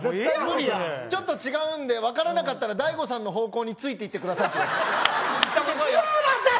ちょっと違うんで分からなかったら大悟さんの方向についていってくださいって。